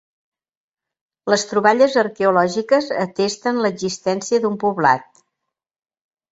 Les troballes arqueològiques atesten l'existència d'un poblat.